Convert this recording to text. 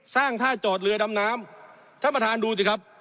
สร้างท่าจอดเรือดำน้ำท่านประธานดูสิครับ